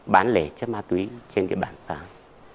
bán lẻ chất ma túy trên địa bàn sáng